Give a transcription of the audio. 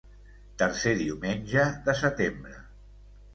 Tercer diumenge de setembre.